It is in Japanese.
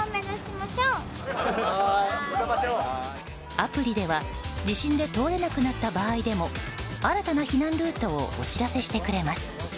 アプリでは地震で通れなくなった場合でも新たな避難ルートをお知らせしてくれます。